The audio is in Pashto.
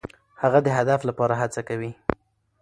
هغه د هدف لپاره هڅه کوي.